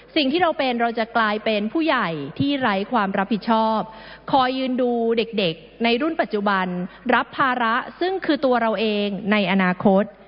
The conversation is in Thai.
สิ่งที่เราเป็นเราจะกลายเป็นผู้ใหญ่ที่ไร้ความรับผิดชอบคอยยืนดูเด็กในรุ่นปัจจุบันรับภาระซึ่งคือตัวเราเองในอนาคต